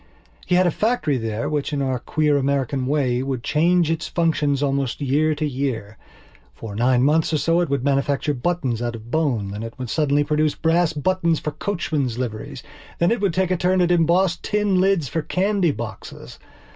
He had a factory there which, in our queer American way, would change its functions almost from year to year. For nine months or so it would manufacture buttons out of bone. Then it would suddenly produce brass buttons for coachmen's liveries. Then it would take a turn at embossed tin lids for candy boxes.